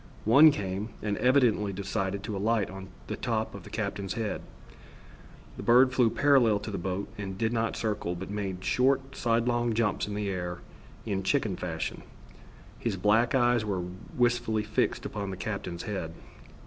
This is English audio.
One came, and evidently decided to alight on the top of the captain's head. The bird flew parallel to the boat and did not circle, but made short sidelong jumps in the air in chicken fashion. His black eyes were wistfully fixed upon the captain's head.